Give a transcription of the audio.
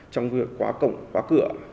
trong việc khóa cổng khóa cửa